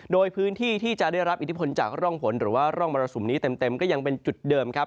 โดยพื้นที่ที่จะได้รับอิทธิพลจากร่องฝนหรือว่าร่องมรสุมนี้เต็มก็ยังเป็นจุดเดิมครับ